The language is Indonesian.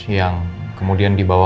yang kemudian dibawa